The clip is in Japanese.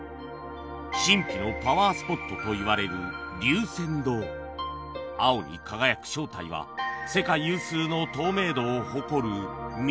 神秘のパワースポットと言われる龍泉洞青に輝く正体は世界有数の透明度を誇る「水」